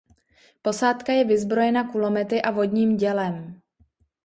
Posádka je vyzbrojena kulomety a vodním dělem.